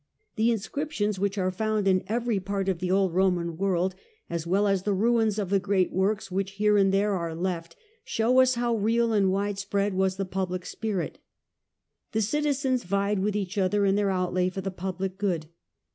The inscrip tions which are found in every part of the old Roman world, as well as the ruins of the great works which here and there are left, show us how real and widespread was the public spirit. The citizens vied with each other in their outlay for the public good.